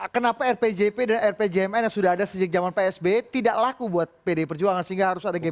kenapa rpjp dan rpjmn yang sudah ada sejak zaman psb tidak laku buat pdi perjuangan sehingga harus ada gp